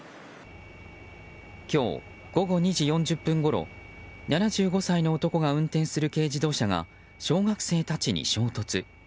今日午後２時４０分ごろ７５歳の男が運転する軽自動車が小学生たちに衝突。